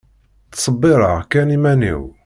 Ttsebbireɣ kan iman-iw.